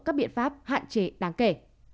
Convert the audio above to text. các biện pháp hạn chế đáng kể